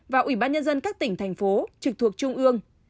và ủy ban nhân dân các tỉnh thành phố trực thuộc trung ương